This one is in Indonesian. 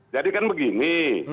jadi kan begini